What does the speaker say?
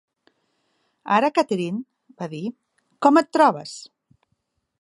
"Ara, Catherine", va dir, "com et trobes?"